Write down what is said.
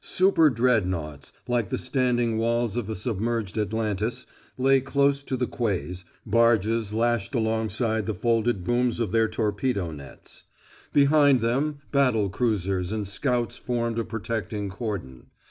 Superdreadnaughts, like the standing walls of a submerged Atlantis, lay close to the quays, barges lashed alongside the folded booms of their torpedo nets. Behind them, battle cruisers and scouts formed a protecting cordon.